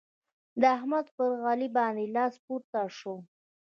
د احمد پر علي باندې لاس پورته شو.